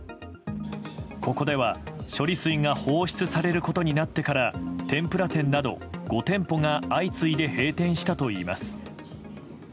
ここでは処理水が放出されることになってから天ぷら店など５店舗が相次いで閉店したといいます。